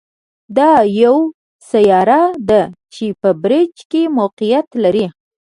دا یوه سیاره ده چې په برج کې موقعیت لري.